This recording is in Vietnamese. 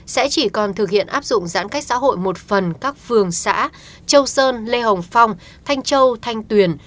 sẽ chỉ còn thực hiện áp dụng giãn cách xã hội một phần các phường xã châu sơn lê hồng phong thanh châu thanh tuyền